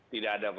tidak ada pak